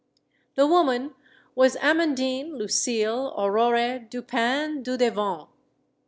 The woman was Amandine Lucile Aurore Dupin Dudevant.